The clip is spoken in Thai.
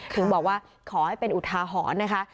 ถึงบอกว่าขอให้เป็นอุทาหรณ์นะคะ